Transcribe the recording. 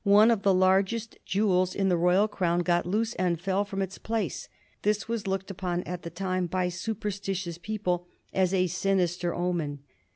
One of the largest jewels in the royal crown got loose and fell from its place. This was looked upon at the time by superstitious people as a sinister omen.